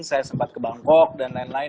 saya sempat ke bangkok dan lain lain